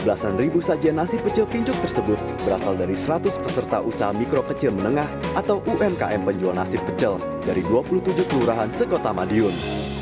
belasan ribu sajian nasi pecel pincuk tersebut berasal dari seratus peserta usaha mikro kecil menengah atau umkm penjual nasi pecel dari dua puluh tujuh kelurahan sekota madiun